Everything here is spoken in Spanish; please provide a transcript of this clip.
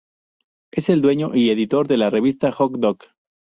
Es el dueño y editor del la revista "Hot Doc".